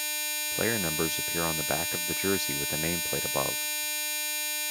Player numbers appear on the back of the jersey with a nameplate above.